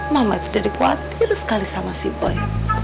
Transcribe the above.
mama tuh jadi khawatir sekali sama si boy